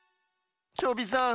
チョビさん。